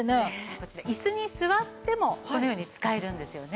こちら椅子に座ってもこのように使えるんですよね。